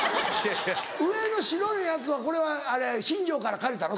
上の白いやつはこれは新庄から借りたの？